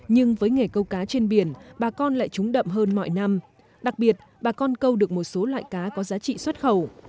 nhưng với nghề câu cá trên biển bà con lại trúng đậm hơn mọi năm đặc biệt bà con câu được một số loại cá có giá trị xuất khẩu